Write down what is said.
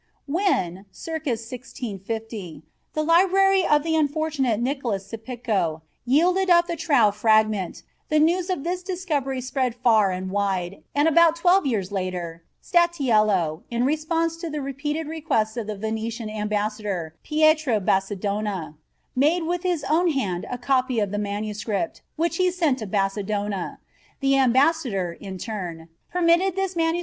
When, circa 1650, the library of the unfortunate Nicolas Cippico yielded up the Trau fragment, the news of this discovery spread far and wide and about twelve years later, Statileo, in response to the repeated requests of the Venetian ambassador, Pietro Basadonna, made with his own hand a copy of the MS., which he sent to Basadonna. The ambassador, in turn, permitted this MS.